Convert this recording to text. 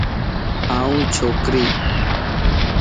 آن ڇوڪري